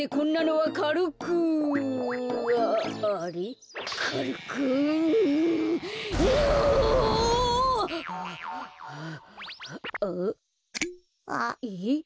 あっ。えっ？